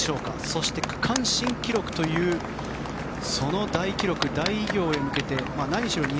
そして、区間新記録というその大記録、大偉業に向けて何しろ